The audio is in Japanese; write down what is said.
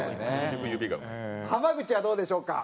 濱口はどうでしょうか？